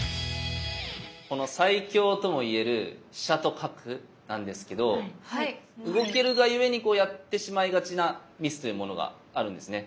この最強ともいえる飛車と角なんですけど動けるがゆえにやってしまいがちなミスというものがあるんですね。